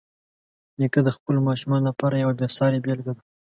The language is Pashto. نیکه د خپلو ماشومانو لپاره یوه بېسارې بېلګه ده.